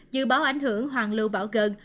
dự báo ảnh hưởng hoàng lưu bão gần